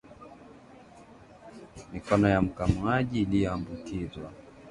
Mikono ya mkamuaji iliyoambukizwa